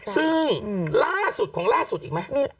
ซึ่งล่าสุดของล่าสุดอีกไหม